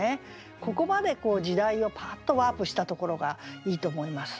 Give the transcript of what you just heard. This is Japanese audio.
ここまで時代をパーッとワープしたところがいいと思います。